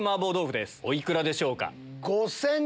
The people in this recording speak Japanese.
お幾らでしょうか？